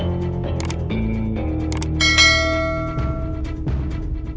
aku cuma pengen papa aku sembuh